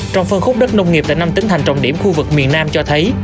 trong phân khúc đất nông nghiệp tại năm tỉnh thành trọng điểm khu vực miền nam cho thấy